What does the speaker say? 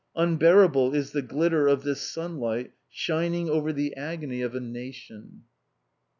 Unbearable is the glitter of this sunlight shining over the agony of a nation!